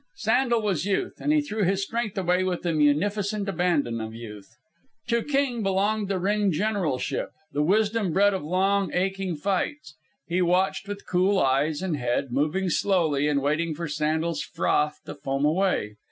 Sandel was Youth, and he threw his strength away with the munificent abandon of Youth. To King belonged the ring generalship, the wisdom bred of long, aching fights. He watched with cool eyes and head, moving slowly and waiting for Sandel's froth to foam away.